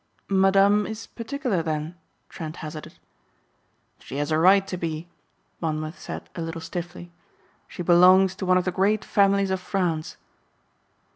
"Madame is particular then?" Trent hazarded. "She has a right to be," Monmouth said a little stiffly, "she belongs to one of the great families of France."